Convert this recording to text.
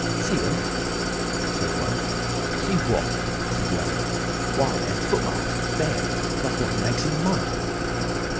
'See 'em,' said one. 'See what?' said the other. 'Why—them footmarks—bare. Like what you makes in mud.